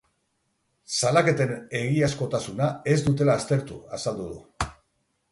Salaketen egiazkotasuna ez dutela aztertu azaldu du.